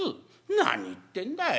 何言ってんだい。